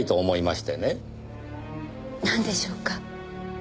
なんでしょうか？